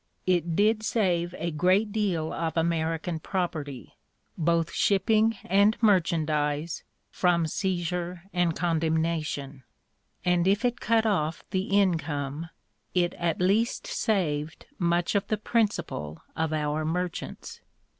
It did save a great deal of American property, both shipping and merchandise, from seizure and condemnation; and if it cut off the income it at least saved much of the principal of our merchants.